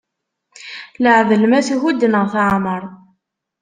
Iaɛdel ma thudd neɣ teɛmeṛ.